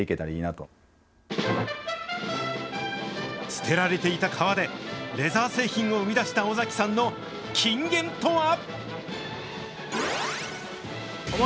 捨てられていた皮で、レザー製品を生み出した尾崎さんの金言とは。